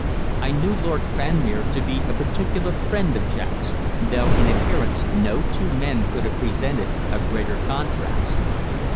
I knew Lord Cranmere to be a particular friend of Jack's, though in appearance no two men could have presented a greater contrast.